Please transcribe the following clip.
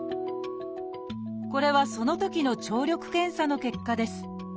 これはそのときの聴力検査の結果です。